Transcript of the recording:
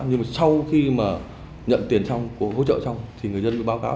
nhưng mà sau khi mà nhận tiền xong hỗ trợ xong thì người dân cứ báo cáo